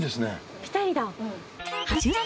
ピタリだ！